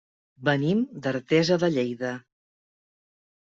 Venim d'Artesa de Lleida.